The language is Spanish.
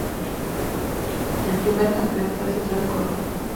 El primer campeón fue Central Córdoba.